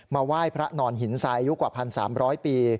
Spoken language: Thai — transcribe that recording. ไหว้พระนอนหินทรายอายุกว่า๑๓๐๐ปี